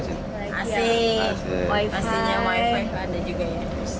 pastinya wifi wifi ada juga ya